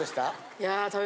いや。